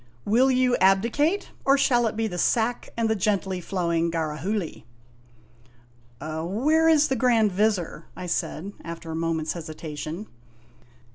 "Will you abdi cate, or shall it be the sack and the gently flowing Garahoogly?" " Where is the Grand Vizir?" I said, after a moment's hesitation.